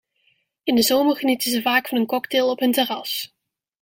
In de zomer genieten ze vaak van een cocktail op hun terras.